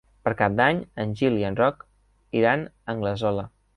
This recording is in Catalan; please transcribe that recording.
Per Cap d'Any en Gil i en Roc iran a Anglesola.